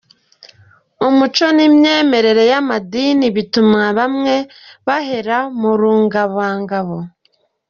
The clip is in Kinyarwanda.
Umuco n’imyemerere y’amadini bituma bamwe bahera mu rungabangabo….